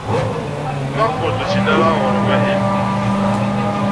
Maɣef ur d-usin ara ɣer umahil?